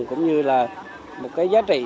cũng như là một cái giá trị